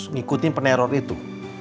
ngikutin peneror itu